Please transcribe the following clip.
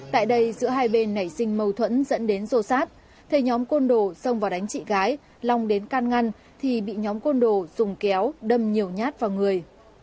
tại đây giữa hai bên nảy sinh mâu thuẫn dẫn đến rô sát thấy nhóm côn đồ xông vào đánh chị gái long đến can ngăn thì bị nhóm côn đồ dùng kéo đâm nhiều nhát vào người